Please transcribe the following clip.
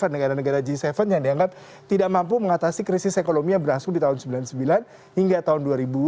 negara negara g tujuh yang dianggap tidak mampu mengatasi krisis ekonomi yang berlangsung di tahun seribu sembilan ratus sembilan puluh sembilan hingga tahun dua ribu dua